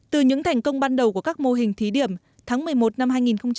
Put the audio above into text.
từ những thành công ban đầu của các mô hình thí điểm tháng một mươi một năm hai nghìn một mươi tám